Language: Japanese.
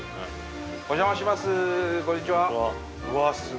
お邪魔します。